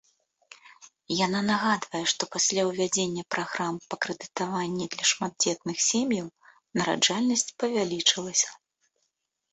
Яна нагадвае, што пасля ўвядзення праграм па крэдытаванні для шматдзетных сем'яў нараджальнасць павялічылася.